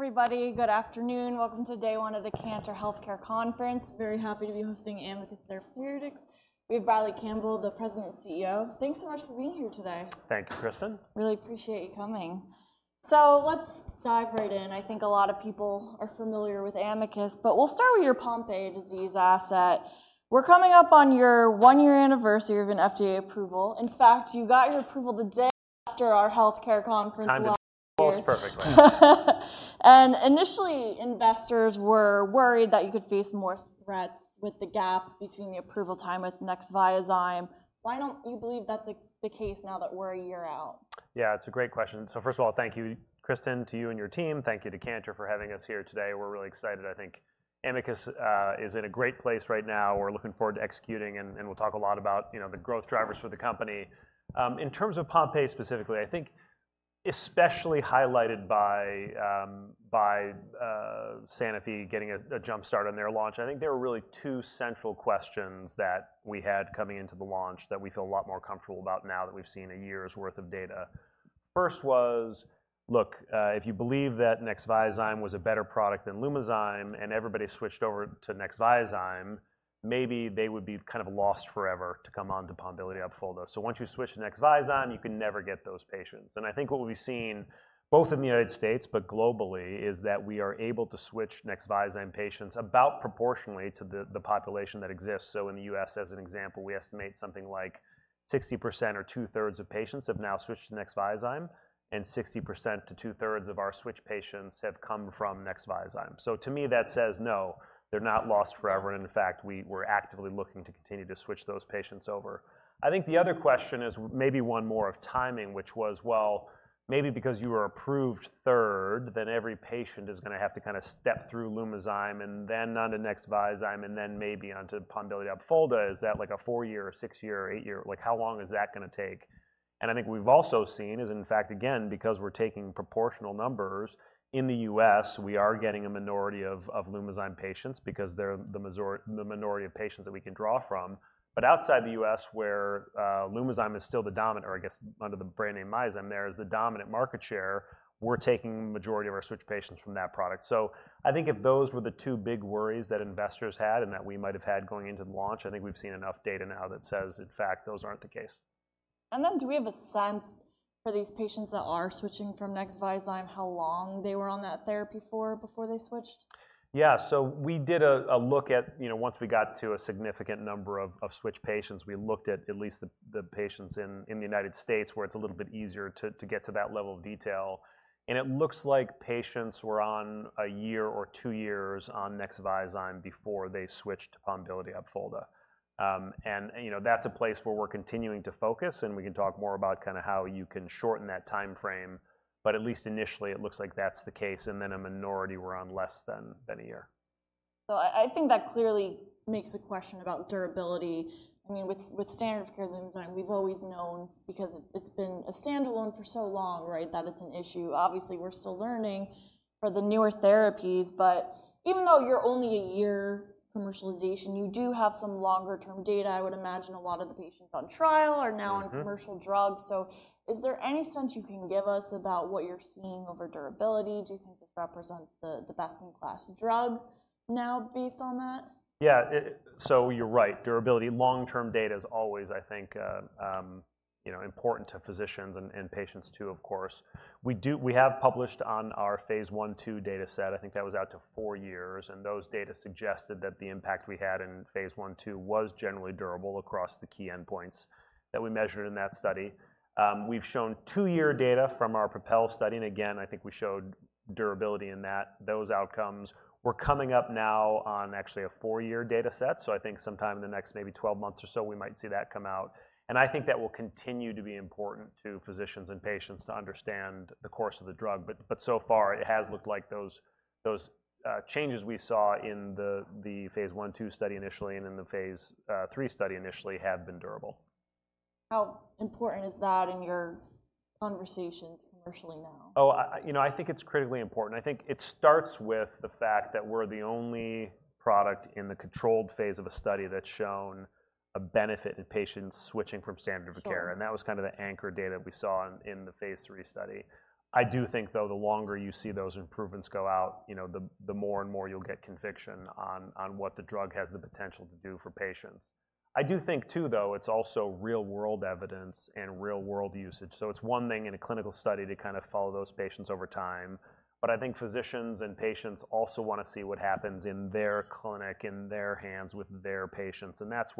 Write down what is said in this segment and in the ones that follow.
Hi, everybody. Good afternoon. Welcome to day one of the Cantor Healthcare Conference. Very happy to be hosting Amicus Therapeutics. We have Bradley Campbell, the President and CEO. Thanks so much for being here today. Thank you, Kristen. Really appreciate you coming. So let's dive right in. I think a lot of people are familiar with Amicus, but we'll start with your Pompe disease asset. We're coming up on your one-year anniversary of an FDA approval. In fact, you got your approval the day after our healthcare conference last year. Timed it almost perfectly. Initially, investors were worried that you could face more threats with the gap between the approval time with Nexviazyme. Why don't you believe that's, like, the case now that we're a year out? Yeah, it's a great question, so first of all, thank you, Kristen, to you and your team. Thank you to Cantor for having us here today. We're really excited. I think Amicus is in a great place right now. We're looking forward to executing, and we'll talk a lot about, you know, the growth drivers for the company. In terms of Pompe specifically, I think especially highlighted by Sanofi getting a jump start on their launch, I think there were really two central questions that we had coming into the launch that we feel a lot more comfortable about now that we've seen a year's worth of data. First was, look, if you believe that Nexviazyme was a better product than Lumizyme, and everybody switched over to Nexviazyme, maybe they would be kind of lost forever to come on to Pombiliti Opfolda. So once you switch to Nexviazyme, you can never get those patients. And I think what we've seen, both in the United States but globally, is that we are able to switch Nexviazyme patients about proportionally to the population that exists. So in the U.S., as an example, we estimate something like 60% or two-thirds of patients have now switched to Nexviazyme, and 60% to two-thirds of our switch patients have come from Nexviazyme. So to me, that says, "No, they're not lost forever," and in fact, we were actively looking to continue to switch those patients over. I think the other question is maybe one more of timing, which was, well, maybe because you were approved third, then every patient is gonna have to kinda step through Lumizyme and then on to Nexviazyme, and then maybe onto Pombiliti Opfolda. Is that like a four-year or six-year or eight-year...? Like, how long is that gonna take? And I think we've also seen is, in fact, again, because we're taking proportional numbers, in the U.S., we are getting a minority of Lumizyme patients because they're the minority of patients that we can draw from. But outside the U.S., where Lumizyme is still the dominant, or I guess under the brand name Myozyme, there is the dominant market share, we're taking majority of our switch patients from that product. So I think if those were the two big worries that investors had and that we might have had going into the launch, I think we've seen enough data now that says, in fact, those aren't the case. And then, do we have a sense for these patients that are switching from Nexviazyme, how long they were on that therapy for before they switched? Yeah. So we did a look at. You know, once we got to a significant number of switch patients, we looked at least the patients in the United States, where it's a little bit easier to get to that level of detail. And it looks like patients were on a year or two years on Nexviazyme before they switched to Pombiliti Opfolda. You know, that's a place where we're continuing to focus, and we can talk more about kinda how you can shorten that timeframe. But at least initially, it looks like that's the case, and then a minority were on less than a year. I think that clearly makes a question about durability. I mean, with standard of care Lumizyme, we've always known because it's been a standalone for so long, right, that it's an issue. Obviously, we're still learning for the newer therapies, but even though you're only a year commercialization, you do have some longer term data. I would imagine a lot of the patients on trial are no Mm-hmm .on commercial drugs. So is there any sense you can give us about what you're seeing over durability? Do you think this represents the best-in-class drug now, based on that? Yeah. So you're right, durability, long-term data is always, I think, you know, important to physicians and, and patients, too, of course. We have published on our Phase I/II data set. I think that was out to four years, and those data suggested that the impact we had in Phase I/II was generally durable across the key endpoints that we measured in that study. We've shown two-year data from our PROPEL study, and again, I think we showed durability in those outcomes. We're coming up now on actually a four-year data set, so I think sometime in the next maybe 12 months or so, we might see that come out. I think that will continue to be important to physicians and patients to understand the course of the drug, but so far, it has looked like those changes we saw in the Phase I, II study initially and in the Phase III study initially have been durable. How important is that in your conversations commercially now? Oh, I, you know, I think it's critically important. I think it starts with the fact that we're the only product in the controlled Phase of a study that's shown a benefit in patients switching from standard of care- Sure and that was kind of the anchor data we saw in the Phase III study. I do think, though, the longer you see those improvements go out, you know, the more and more you'll get conviction on what the drug has the potential to do for patients. I do think, too, though, it's also real-world evidence and real-world usage. So it's one thing in a clinical study to kind of follow those patients over time, but I think physicians and patients also wanna see what happens in their clinic, in their hands, with their patients, and that's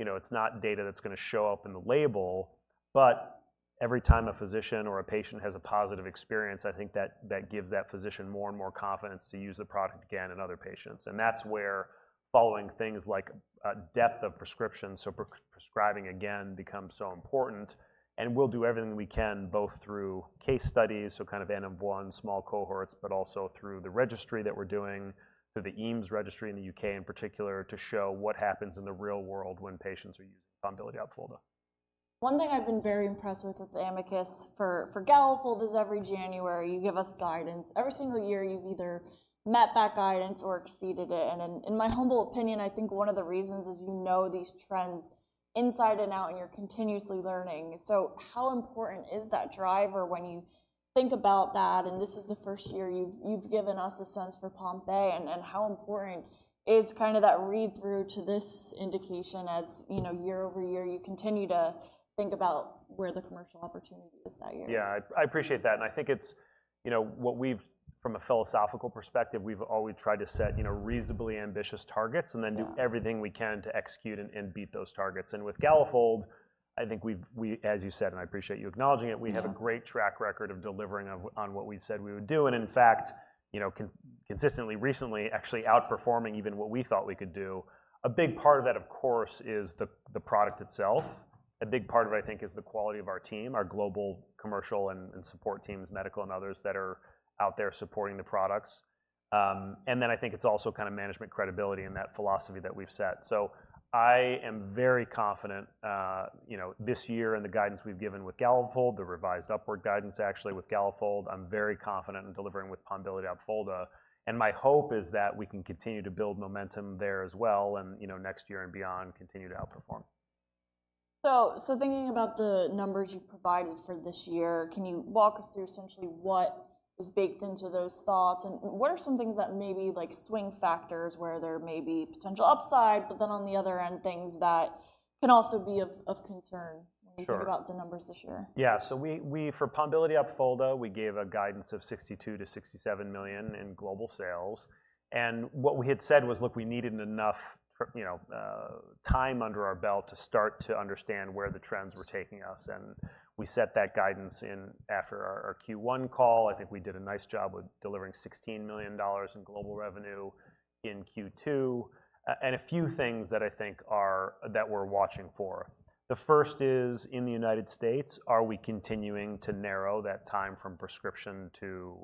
where, you know, it's not data that's gonna show up in the label, but every time a physician or a patient has a positive experience, I think that gives that physician more and more confidence to use the product again in other patients. That's where following things like depth of prescription, so prescribing again, becomes so important. We'll do everything we can, both through case studies, so kind of N-of-1, small cohorts, but also through the registry that we're doing, through the EAMS registry in the U.K. in particular, to show what happens in the real world when patients are using Pombiliti Opfolda. One thing I've been very impressed with, with Amicus for Galafold, is every January, you give us guidance. Every single year, you've either met that guidance or exceeded it, and in my humble opinion, I think one of the reasons is you know these trends inside and out, and you're continuously learning. So how important is that driver when you think about that, and this is the first year you've given us a sense for Pompe, and how important is kind of that read-through to this indication, as you know, year over year, you continue to think about where the commercial opportunity is that year? Yeah, I appreciate that, and I think it's, you know, what we've... From a philosophical perspective, we've always tried to set, you know, reasonably ambitious targets- Yeah. and then do everything we can to execute and beat those targets, and with Galafold, I think we've as you said, and I appreciate you acknowledging it. Yeah We have a great track record of delivering on what we've said we would do, and in fact, you know, consistently, recently, actually outperforming even what we thought we could do. A big part of that, of course, is the product itself. A big part of it, I think, is the quality of our team, our global commercial and support teams, medical and others, that are out there supporting the products. And then I think it's also kind of management credibility and that philosophy that we've set. So I am very confident, you know, this year and the guidance we've given with Galafold, the revised upward guidance, actually, with Galafold. I'm very confident in delivering with Pombiliti Opfolda, and my hope is that we can continue to build momentum there as well and, you know, next year and beyond, continue to outperform. So thinking about the numbers you've provided for this year, can you walk us through essentially what was baked into those thoughts, and what are some things that may be like swing factors, where there may be potential upside, but then on the other end, things that can also be of concern? Sure When you think about the numbers this year? Yeah. So we for Pombiliti Opfolda, we gave a guidance of $62 million to 67 million in global sales, and what we had said was, "Look, we needed enough for, you know, time under our belt to start to understand where the trends were taking us," and we set that guidance in after our Q1 call. I think we did a nice job with delivering $16 million in global revenue in Q2. A few things that I think are that we're watching for, the first is, in the United States, are we continuing to narrow that time from prescription to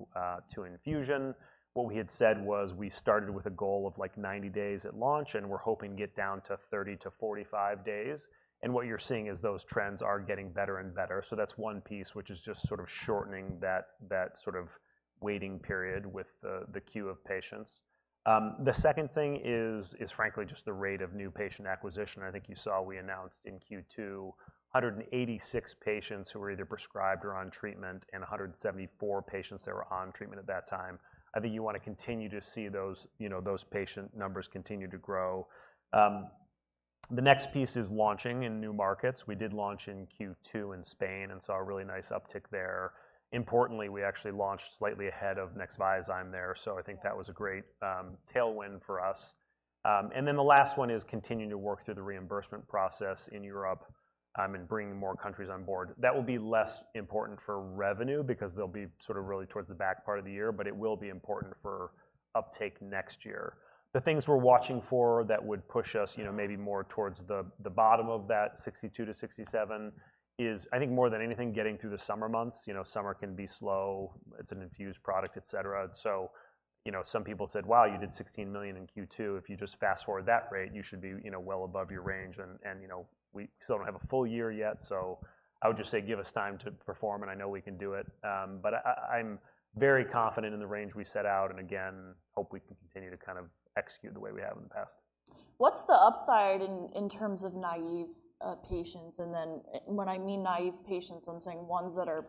infusion? What we had said was, we started with a goal of, like, 90 days at launch, and we're hoping to get down to 30 to 45 days, and what you're seeing is those trends are getting better and better. So that's one piece which is just sort of shortening that sort of waiting period with the queue of patients. The second thing is frankly just the rate of new patient acquisition. I think you saw we announced in Q2 186 patients who were either prescribed or on treatment, and 174 patients that were on treatment at that time. I think you wanna continue to see those, you know, those patient numbers continue to grow. The next piece is launching in new markets. We did launch in Q2 in Spain and saw a really nice uptick there. Importantly, we actually launched slightly ahead of Nexviazyme there, so I think that was a great tailwind for us. And then the last one is continuing to work through the reimbursement process in Europe and bringing more countries on board. That will be less important for revenue because they'll be sort of really towards the back part of the year, but it will be important for uptake next year. The things we're watching for that would push us, you know, maybe more towards the bottom of that $62 to $67 is, I think, more than anything, getting through the summer months. You know, summer can be slow. It's an infused product, et cetera. So, you know, some people said, "Wow, you did $16 million in Q2. If you just fast-forward that rate, you should be, you know, well above your range," and you know, we still don't have a full year yet, so I would just say, give us time to perform, and I know we can do it. But I, I'm very confident in the range we set out, and again, hope we can continue to kind of execute the way we have in the past. What's the upside in terms of naive patients? And then, when I mean naive patients, I'm saying ones that are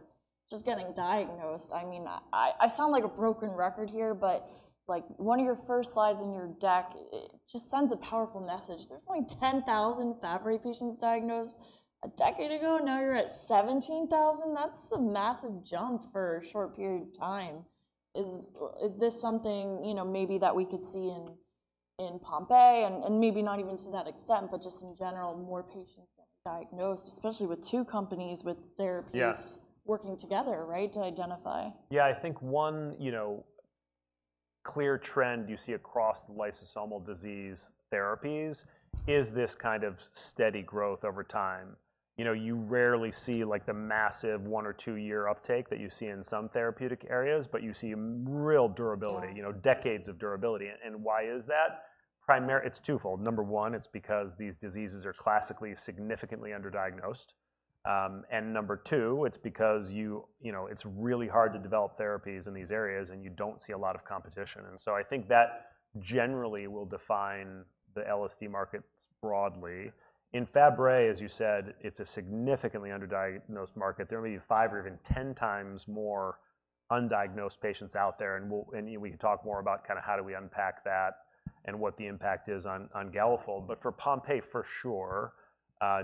just getting diagnosed. I mean, I sound like a broken record here, but, like, one of your first slides in your deck, it just sends a powerful message. There's only 10,000 Fabry patients diagnosed a decade ago, and now you're at 17,000? That's a massive jump for a short period of time. Is this something, you know, maybe that we could see in Pompe, and maybe not even to that extent, but just in general, more patients getting diagnosed, especially with two companies with therapies Yes working together, right, to identify? Yeah, I think one, you know, clear trend you see across lysosomal disease therapies is this kind of steady growth over time. You know, you rarely see, like, the massive one or two-year uptake that you see in some therapeutic areas, but you see real durability Yeah you know, decades of durability. And why is that? It's twofold. Number one, it's because these diseases are classically significantly underdiagnosed. And number two, it's because you... You know, it's really hard to develop therapies in these areas, and you don't see a lot of competition, and so I think that generally will define the LSD markets broadly. In Fabry, as you said, it's a significantly underdiagnosed market. There may be five or even 10 times more undiagnosed patients out there, and we'll, you know, we can talk more about kind of how do we unpack that and what the impact is on Galafold. But for Pompe, for sure,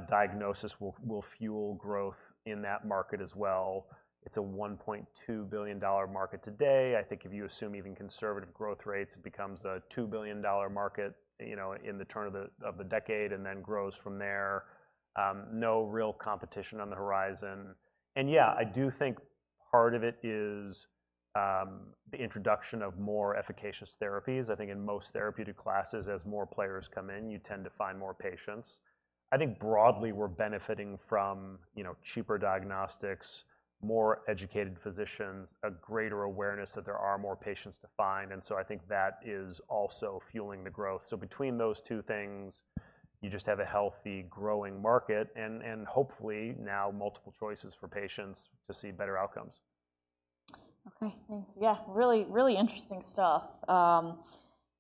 diagnosis will fuel growth in that market as well. It's a $1.2 billion market today. I think if you assume even conservative growth rates, it becomes a $2 billion market, you know, in the turn of the decade and then grows from there. No real competition on the horizon, and yeah, I do think part of it is the introduction of more efficacious therapies. I think in most therapeutic classes, as more players come in, you tend to find more patients. I think broadly we're benefiting from, you know, cheaper diagnostics, more educated physicians, a greater awareness that there are more patients to find, and so I think that is also fueling the growth. So between those two things, you just have a healthy, growing market and hopefully now multiple choices for patients to see better outcomes.... Okay, thanks. Yeah, really, really interesting stuff.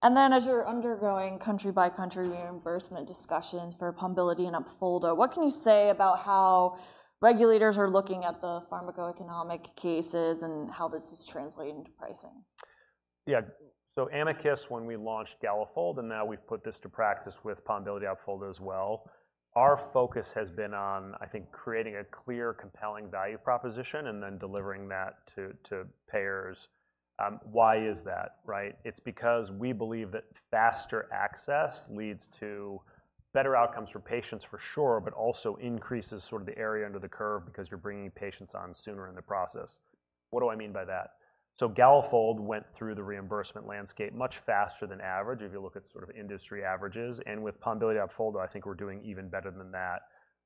And then as you're undergoing country-by-country reimbursement discussions for Pombiliti and Opfolda, what can you say about how regulators are looking at the pharmacoeconomic cases and how this is translating to pricing? Yeah. So Amicus, when we launched Galafold, and now we've put this to practice with Pombiliti Opfolda as well, our focus has been on, I think, creating a clear, compelling value proposition and then delivering that to payers. Why is that, right? It's because we believe that faster access leads to better outcomes for patients for sure, but also increases sort of the area under the curve because you're bringing patients on sooner in the process. What do I mean by that? So Galafold went through the reimbursement landscape much faster than average, if you look at sort of industry averages, and with Pombiliti Opfolda, I think we're doing even better than that.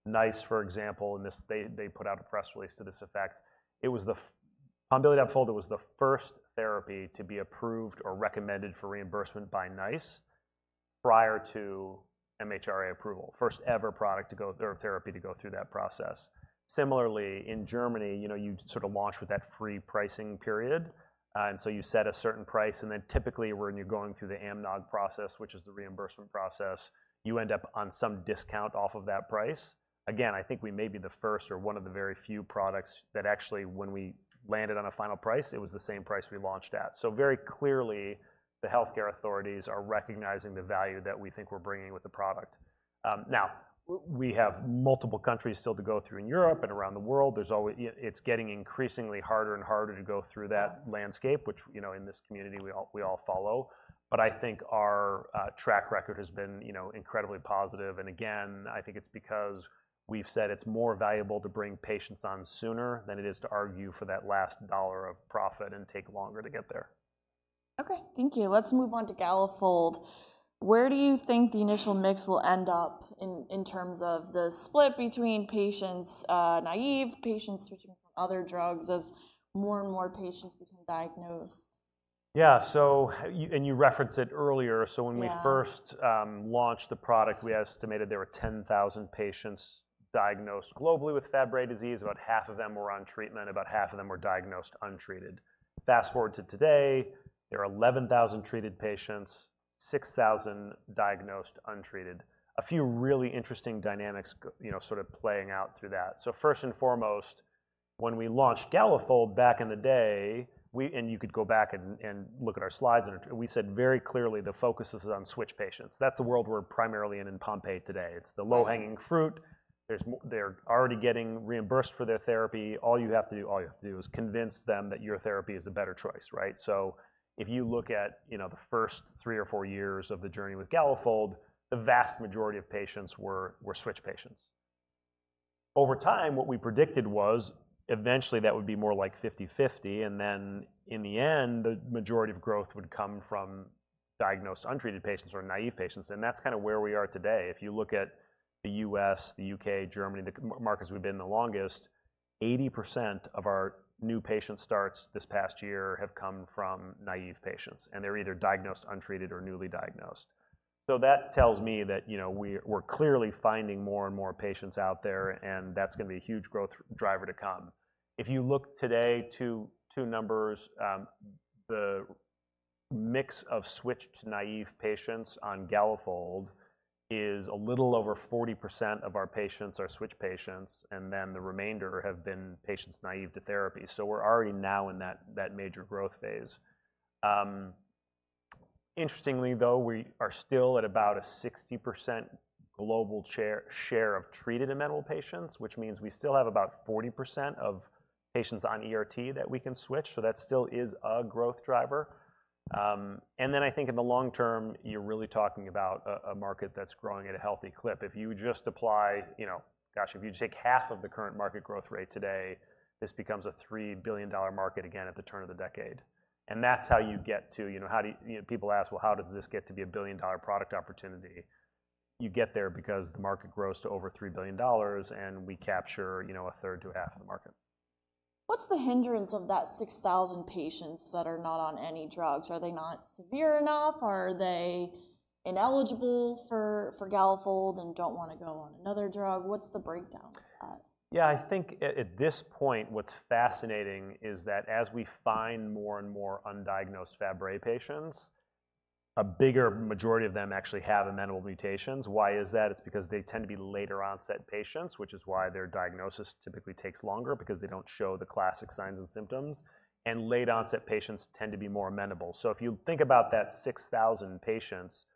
NICE, for example, and this: they put out a press release to this effect: it was the Pombiliti Opfolda was the first therapy to be approved or recommended for reimbursement by NICE prior to MHRA approval. First ever product to go or therapy to go through that process. Similarly, in Germany, you know, you sort of launch with that free pricing period. And so you set a certain price, and then typically, when you're going through the AMNOG process, which is the reimbursement process, you end up on some discount off of that price. Again, I think we may be the first or one of the very few products that actually, when we landed on a final price, it was the same price we launched at. So very clearly, the healthcare authorities are recognizing the value that we think we're bringing with the product. Now, we have multiple countries still to go through in Europe and around the world. It's getting increasingly harder and harder to go through that. Yeah... landscape, which, you know, in this community, we all follow. But I think our track record has been, you know, incredibly positive. And again, I think it's more valuable to bring patients on sooner than it is to argue for that last dollar of profit and take longer to get there. Okay, thank you. Let's move on to Galafold. Where do you think the initial mix will end up in terms of the split between patients, naive patients switching from other drugs as more and more patients become diagnosed? Yeah. So, and you referenced it earlier. Yeah. When we first launched the product, we estimated there were 10,000 patients diagnosed globally with Fabry disease. About half of them were on treatment, about half of them were diagnosed untreated. Fast-forward to today, there are 11,000 treated patients, 6,000 diagnosed untreated. A few really interesting dynamics you know, sort of playing out through that. First and foremost, when we launched Galafold back in the day, we and you could go back and look at our slides, and we said very clearly the focus is on switch patients. That's the world we're primarily in in Pompe today. Right. It's the low-hanging fruit. They're already getting reimbursed for their therapy. All you have to do, all you have to do is convince them that your therapy is a better choice, right? So if you look at, you know, the first three or four years of the journey with Galafold, the vast majority of patients were switch patients. Over time, what we predicted was eventually that would be more like fifty-fifty, and then in the end, the majority of growth would come from diagnosed, untreated patients or naive patients, and that's kind of where we are today. If you look at the U.S., the U.K., Germany, the markets we've been in the longest, 80% of our new patient starts this past year have come from naive patients, and they're either diagnosed, untreated or newly diagnosed. So that tells me that, you know, we're clearly finding more and more patients out there, and that's gonna be a huge growth driver to come. If you look today to two numbers, the mix of switched, naive patients on Galafold is a little over 40% of our patients are switch patients, and then the remainder have been patients naive to therapy. So we're already now in that major growth Phase. Interestingly, though, we are still at about a 60% global share of treated amenable patients, which means we still have about 40% of patients on ERT that we can switch, so that still is a growth driver. And then I think in the long term, you're really talking about a market that's growing at a healthy clip. If you just apply, you know, gosh, if you take half of the current market growth rate today, this becomes a $3 billion market again at the turn of the decade. And that's how you get to, you know, how do. You know, people ask: "Well, how does this get to be a billion-dollar product opportunity?" You get there because the market grows to over $3 billion, and we capture, you know, a third to a half of the market. What's the hindrance of that six thousand patients that are not on any drugs? Are they not severe enough? Are they ineligible for Galafold and don't wanna go on another drug? What's the breakdown of that? Yeah, I think at this point, what's fascinating is that as we find more and more undiagnosed Fabry patients, a bigger majority of them actually have amenable mutations. Why is that? It's because they tend to be later-onset patients, which is why their diagnosis typically takes longer, because they don't show the classic signs and symptoms, and late-onset patients tend to be more amenable. So if you think about that six thousand patients,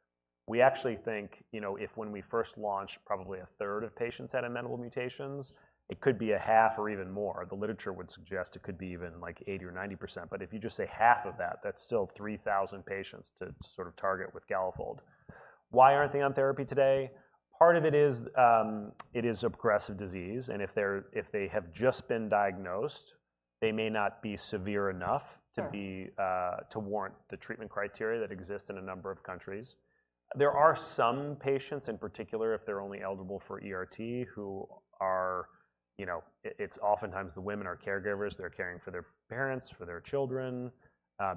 we actually think, you know, if when we first launched, probably a third of patients had amenable mutations, it could be a half or even more. The literature would suggest it could be even, like, 80% or 90%, but if you just say half of that, that's still three thousand patients to sort of target with Galafold. Why aren't they on therapy today? Part of it is, it is a progressive disease, and if they have just been diagnosed, they may not be severe enough. Sure... to be, to warrant the treatment criteria that exist in a number of countries. There are some patients, in particular, if they're only eligible for ERT, who are, you know, it's oftentimes the women are caregivers. They're caring for their parents, for their children,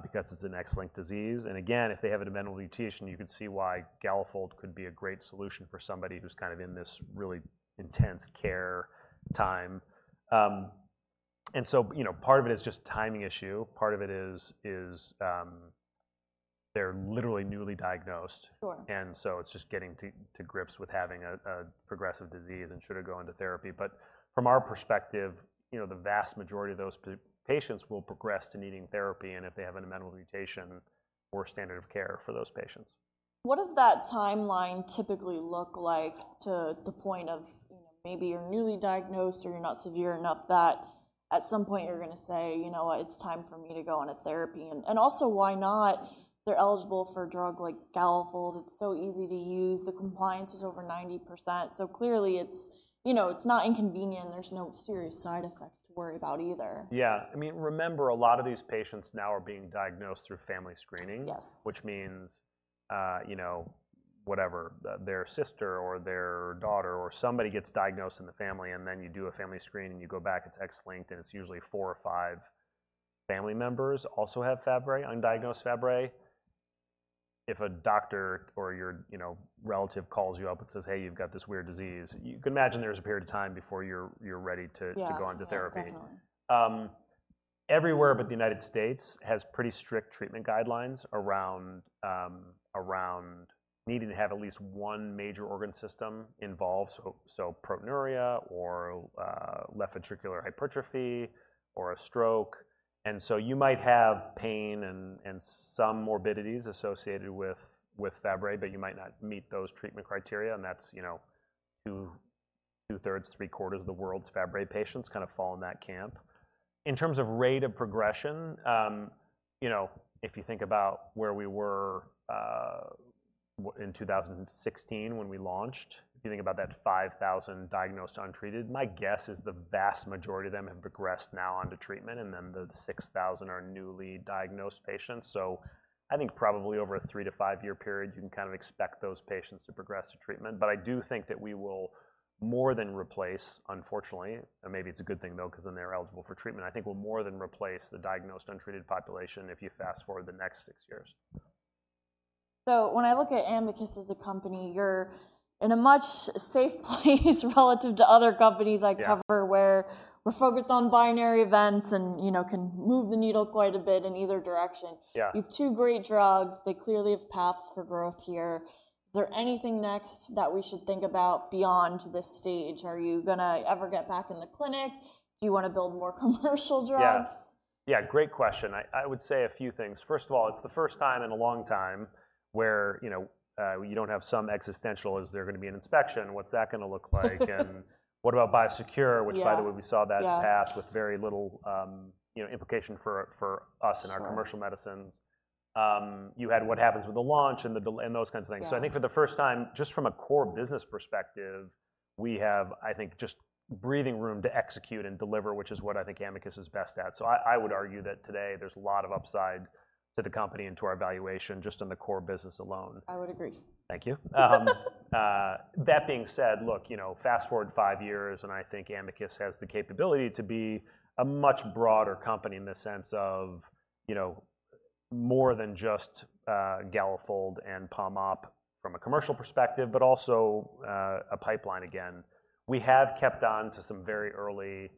because it's an X-linked disease. And again, if they have amenable mutation, you can see why Galafold could be a great solution for somebody who's kind of in this really intense care time. And so, you know, part of it is just timing issue, part of it is, you know, they're literally newly diagnosed. Sure. And so it's just getting to grips with having a progressive disease and should they go into therapy. But from our perspective, you know, the vast majority of those patients will progress to needing therapy, and if they have an amenable mutation or standard of care for those patients. What does that timeline typically look like to the point of, you know, maybe you're newly diagnosed, or you're not severe enough, that at some point you're gonna say, "You know what? It's time for me to go on a therapy." And also, why not? They're eligible for a drug like Galafold. It's so easy to use. The compliance is over 90%, so clearly, it's, you know, it's not inconvenient. There's no serious side effects to worry about either. Yeah. I mean, remember, a lot of these patients now are being diagnosed through family screening- Yes which means, you know, whatever, their sister or their daughter or somebody gets diagnosed in the family, and then you do a family screen, and you go back. It's X-linked, and it's usually four or five family members also have Fabry, undiagnosed Fabry. If a doctor or your, you know, relative calls you up and says, "Hey, you've got this weird disease," you can imagine there's a period of time before you're ready to- Yeah to go onto therapy. Definitely. Everywhere but the United States has pretty strict treatment guidelines around needing to have at least one major organ system involved. So proteinuria or left ventricular hypertrophy or a stroke, and so you might have pain and some morbidities associated with Fabry, but you might not meet those treatment criteria. And that's, you know, two-thirds, three-quarters of the world's Fabry patients kinda fall in that camp. In terms of rate of progression, you know, if you think about where we were in two thousand and sixteen when we launched, if you think about that five thousand diagnosed untreated, my guess is the vast majority of them have progressed now onto treatment, and then the six thousand are newly diagnosed patients. So I think probably over a three- to five-year period, you can kind of expect those patients to progress to treatment. But I do think that we will more than replace, unfortunately, and maybe it's a good thing, though, 'cause then they're eligible for treatment. I think we'll more than replace the diagnosed, untreated population if you fast-forward the next six years. When I look at Amicus as a company, you're in a much safe place relative to other companies I cover. Yeah Where we're focused on binary events and, you know, can move the needle quite a bit in either direction. Yeah. have two great drugs. They clearly have paths for growth here. Is there anything next that we should think about beyond this stage? Are you gonna ever get back in the clinic? Do you wanna build more commercial drugs? Yeah. Yeah, great question. I would say a few things. First of all, it's the first time in a long time where, you know, you don't have some existential, is there gonna be an inspection? What's that gonna look like? And what about Biosecure? Yeah. Which by the way, we saw that- Yeah pass with very little, you know, implication for us- Sure... and our commercial medicines. You had what happens with the launch and those kinds of things. Yeah. So I think for the first time, just from a core business perspective, we have, I think, just breathing room to execute and deliver, which is what I think Amicus is best at. So I, I would argue that today there's a lot of upside to the company and to our valuation, just on the core business alone. I would agree. Thank you. That being said, look, you know, fast-forward five years, and I think Amicus has the capability to be a much broader company in the sense of, you know, more than just Galafold and Pompe from a commercial perspective, but also a pipeline again. We have kept on to some very early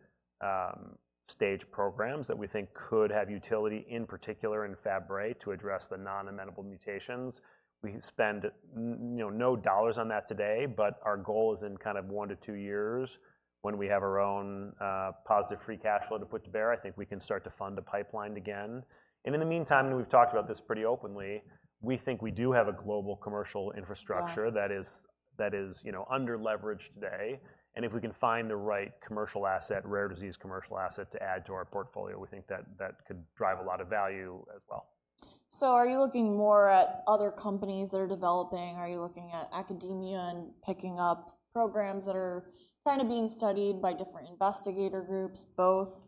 stage programs that we think could have utility, in particular in Fabry, to address the non-amenable mutations. We spend, you know, no dollars on that today, but our goal is in kind of one to two years, when we have our own positive free cash flow to put to bear. I think we can start to fund a pipeline again. And in the meantime, and we've talked about this pretty openly, we think we do have a global commercial infrastructure- Yeah... that is, you know, underleveraged today, and if we can find the right commercial asset, rare disease commercial asset, to add to our portfolio, we think that could drive a lot of value as well. So are you looking more at other companies that are developing? Are you looking at academia and picking up programs that are kind of being studied by different investigator groups, both?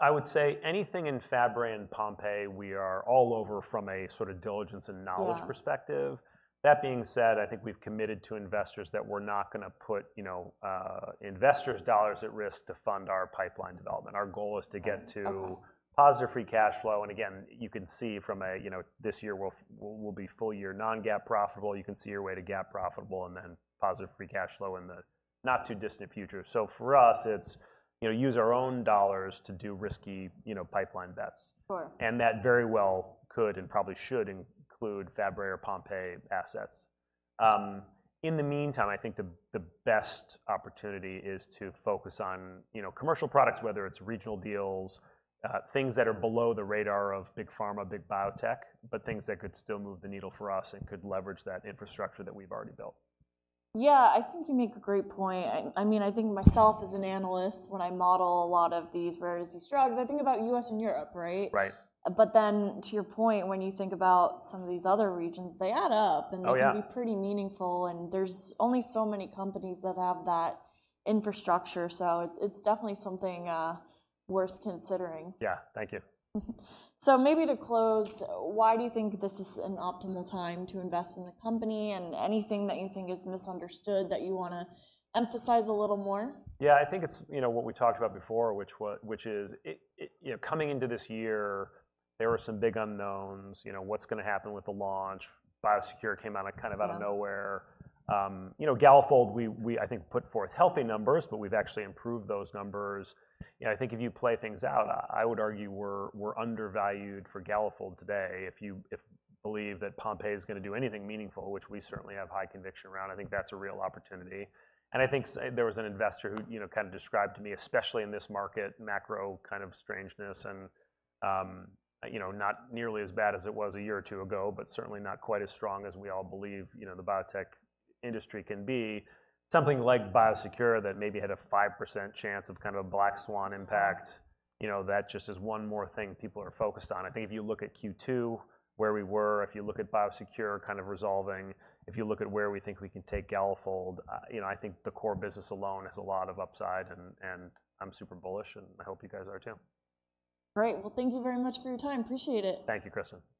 I would say anything in Fabry and Pompe, we are all over from a sort of diligence and knowledge- Yeah perspective. That being said, I think we've committed to investors that we're not gonna put, you know, investors' dollars at risk to fund our pipeline development. Our goal is to get to- Uh-uh positive free cash flow, and again, you can see from a, you know, this year will be full year non-GAAP profitable. You can see our way to GAAP profitable, and then positive free cash flow in the not-too-distant future, so for us, it's, you know, use our own dollars to do risky, you know, pipeline bets. Sure. And that very well could, and probably should, include Fabry or Pompe assets. In the meantime, I think the best opportunity is to focus on, you know, commercial products, whether it's regional deals, things that are below the radar of big pharma, big biotech, but things that could still move the needle for us and could leverage that infrastructure that we've already built. Yeah, I think you make a great point, and I mean, I think myself, as an analyst, when I model a lot of these various disease drugs, I think about U.S. and Europe, right? Right. But then, to your point, when you think about some of these other regions, they add up- Oh, yeah and they can be pretty meaningful, and there's only so many companies that have that infrastructure. So it's, it's definitely something worth considering. Yeah. Thank you. So maybe to close, why do you think this is an optimal time to invest in the company, and anything that you think is misunderstood that you wanna emphasize a little more? Yeah, I think it's, you know, what we talked about before, which is, you know, coming into this year, there were some big unknowns. You know, what's gonna happen with the launch? Biosecure came out of, kind of, out of nowhere. Yeah. You know, Galafold, we I think put forth healthy numbers, but we've actually improved those numbers, and I think if you play things out, I would argue we're undervalued for Galafold today. If you believe that Pompe is gonna do anything meaningful, which we certainly have high conviction around, I think that's a real opportunity, and I think there was an investor who, you know, kind of described to me, especially in this market, macro kind of strangeness, and, you know, not nearly as bad as it was a year or two ago, but certainly not quite as strong as we all believe, you know, the biotech industry can be. Something like Biosecure that maybe had a 5% chance of kind of a black swan impact, you know, that just is one more thing people are focused on. I think if you look at Q2, where we were, if you look at Biosecure kind of resolving, if you look at where we think we can take Galafold, you know, I think the core business alone has a lot of upside, and I'm super bullish, and I hope you guys are, too. Great. Well, thank you very much for your time. Appreciate it. Thank you, Kristen.